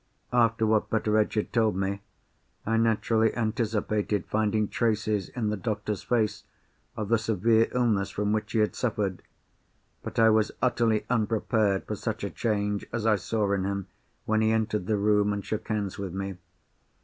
After what Betteredge had told me, I naturally anticipated finding traces in the doctor's face of the severe illness from which he had suffered. But I was utterly unprepared for such a change as I saw in him when he entered the room and shook hands with me.